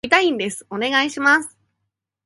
読みたいんです、お願いします